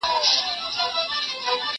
موږ چي ول دوی ستړي دي .